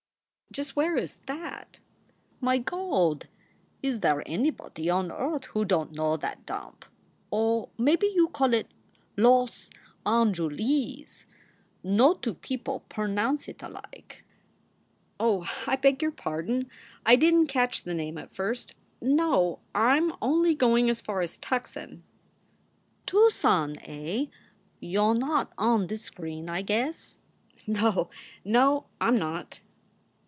"Just where is that?" "My Gawd! Is there anybody on earth who don t know that dump? Or maybe you call it Loss Anjuleez. No two people pernounce it alike." "Oh, I beg your pardon, I didn t catch the name at first. No, I m only going as far as Tuckson." "Too son, eh. You re not on the screen, I guess." "No o, no, I m not."